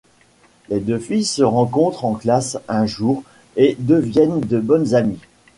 Les deux filles se rencontrent en classe un jour et deviennent de bonnes amies.